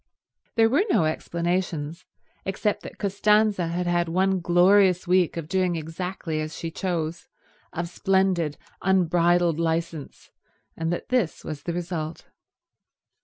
There were no explanations, except that Costanza had had one glorious week of doing exactly as she chose, of splendid unbridled licence, and that this was the result.